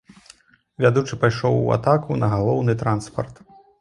Вядучы пайшоў у атаку на галаўны транспарт.